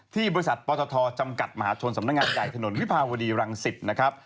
ที่บริษัทปตทจำกัดมหาชนสำนักงานใหญ่ถนนวิภาวดีรังสิตนะครับ